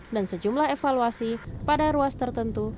dan sejumlah evaluasi pada ruas tertentu